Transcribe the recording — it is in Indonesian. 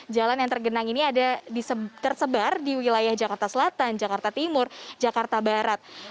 jalan yang tergenang ini ada tersebar di wilayah jakarta selatan jakarta timur jakarta barat